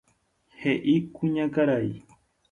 He'i kuñakarai.